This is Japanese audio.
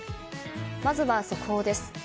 まずは速報です。